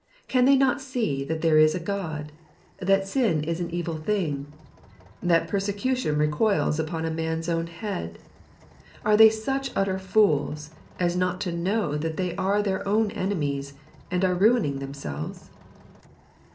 Can they not see that there is a God ? that sin is an evil thing ? that persecution recoils upon a man's own head ? Are they such utter fools as not to know that they are their own enemies, and are ruining themselves